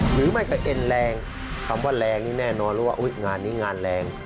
หรือไม่ก็เอ็นแรงคำว่าแรงนี่แน่นอนแล้วว่างานนี้งานแรง